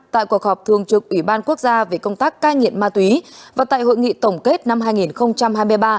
tại cuộc họp thường trực ủy ban quốc gia về công tác cai nghiện ma túy và tại hội nghị tổng kết năm hai nghìn hai mươi ba